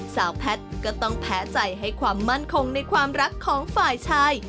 สาวแพทย์ก็ต้องแพ้ใจให้ความมั่นคงในความรักของฝ่ายชาย